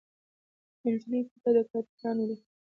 منځنۍ ګوته کاپیټانو ده.